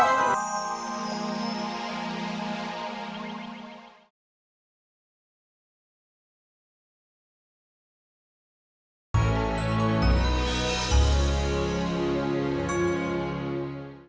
kita udah berhenti berhenti